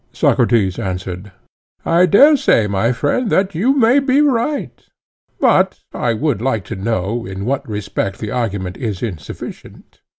Socrates answered: I dare say, my friend, that you may be right, but I should like to know in what respect the argument is insufficient.